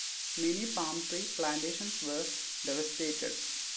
Many palm tree plantations were devastated.